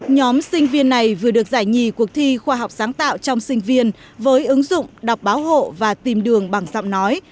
nhóm sinh viên này vừa được giải nhì cuộc thi khoa học sáng tạo trong sinh viên với ứng dụng đọc báo hộ và tìm đường bằng giọng nói